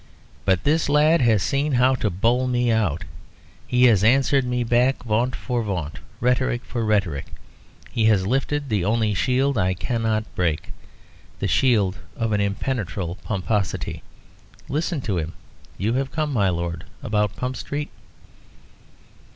But this lad has seen how to bowl me out. He has answered me back, vaunt for vaunt, rhetoric for rhetoric. He has lifted the only shield I cannot break, the shield of an impenetrable pomposity. Listen to him. You have come, my Lord, about Pump Street?"